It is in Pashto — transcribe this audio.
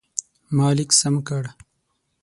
ما لیک سم کړ.